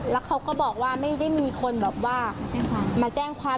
แล้วเขาก็บอกว่าไม่ได้มีคนแบบว่ามาแจ้งความ